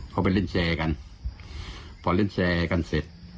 เขาไปเล่นแชร์กันพอเล่นแชร์กันเสร็จ